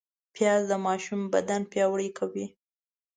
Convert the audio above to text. پیاز د ماشوم بدن پیاوړی کوي